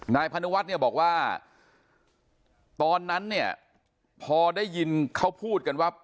พนุวัฒน์เนี่ยบอกว่าตอนนั้นเนี่ยพอได้ยินเขาพูดกันว่า